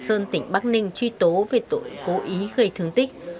sơn tỉnh bắc ninh truy tố về tội cố ý gây thương tích